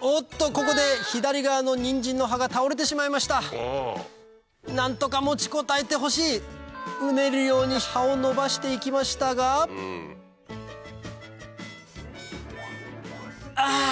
ここで左側のニンジンの葉が倒れてしまいました何とか持ちこたえてほしいうねるように葉を伸ばして行きましたがあ！